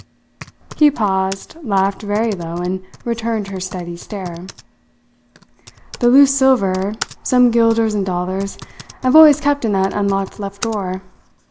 He paused, laughed very low, and returned her steady stare. "The loose silver, some guilders and dollars, I have always kept in that unlocked left drawer.